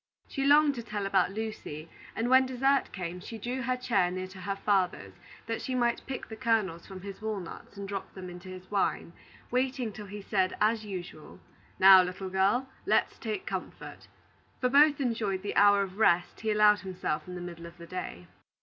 She longed to tell about Lucy; and when dessert came, she drew her chair near to her father's, that she might pick the kernels from his walnuts and drop them into his wine, waiting till he said, as usual: "Now, little girl, let's take comfort." For both enjoyed the hour of rest he allowed himself in the middle of the day.